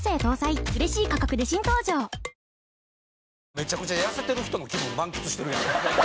めちゃくちゃ痩せてる人の気分満喫してるやん。